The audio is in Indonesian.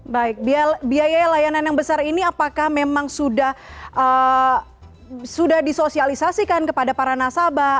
baik biaya layanan yang besar ini apakah memang sudah disosialisasikan kepada para nasabah